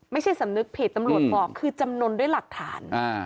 ไม่ใช่สำนึกเพจตำรวจบอกคือจำนวนด้วยหลักฐาน